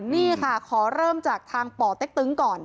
นี่ค่ะขอเริ่มจากทางป่อเต็กตึงก่อน